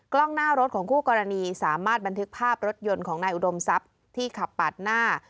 กล้องหน้ารถของคู่กรณีสามารถบันทึกภาพรถยนต์ของนายอุดมทรัพย์ที่ขับปาดหน้า